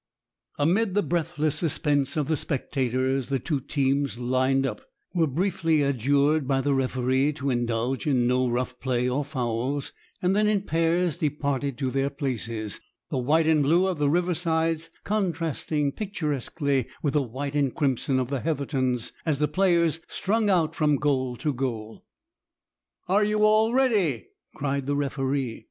Amid the breathless suspense of the spectators the two teams lined up, were briefly adjured by the referee to indulge in no rough play or fouls, and then in pairs departed to their places, the white and blue of the Riversides contrasting picturesquely with the white and crimson of the Heathertons as the players strung out from goal to goal. "Are you all ready?" cried the referee.